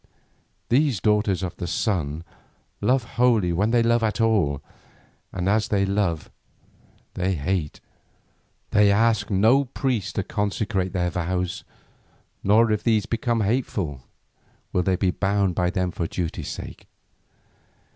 These daughters of the Sun love wholly when they love at all, and as they love they hate. They ask no priest to consecrate their vows, nor if these become hateful, will they be bound by them for duty's sake.